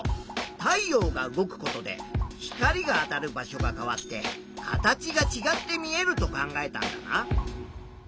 太陽が動くことで光があたる場所が変わって形がちがって見えると考えたんだな。